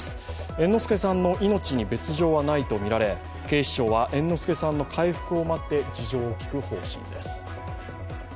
猿之助さんの命に別状はないとみられ、警視庁は猿之助さんの回復を待って事情を聴く方針です。